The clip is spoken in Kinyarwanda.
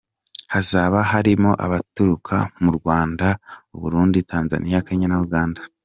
Hazaba harimo abaturuka mu Rwanda, u Burundi, Tanzania, Kenya na Uganda.